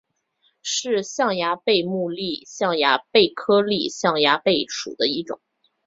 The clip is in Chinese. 是象牙贝目丽象牙贝科丽象牙贝属的一种。